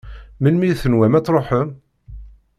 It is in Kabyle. Melmi i tenwam ad tṛuḥem?